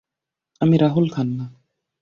আমি রাহুল খান্না।